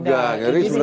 jadi sebenarnya gak